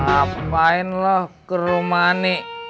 apaan lo ke rumah ani